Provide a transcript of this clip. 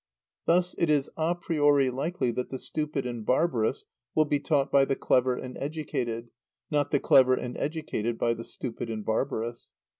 Thus it is a priori likely that the stupid and barbarous will be taught by the clever and educated, not the clever and educated by the stupid and barbarous.